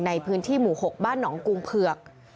ในพื้นที่หมู่๖บ้านหนองกุงเผือก